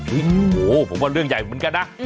โอ้โหผมว่าเรื่องใหญ่เหมือนกันนะ